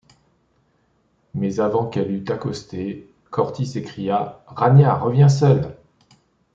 Mais, avant qu’elle eût accosté, Corty s’écria: « Ranyah revient seul!...